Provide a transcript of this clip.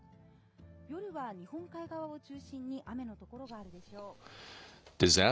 夜は日本海側を中心に雨の所があるでしょう。